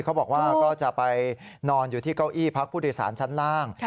เขาบอกว่าก็จะไปนอนอยู่ที่เก้าอี้พักผู้โดยสารชั้นล่าง